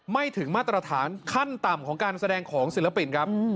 ไม่ถึงมาตรฐานขั้นต่ำของการแสดงของศิลปินครับ